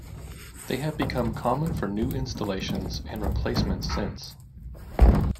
They have become common for new installations and replacements since.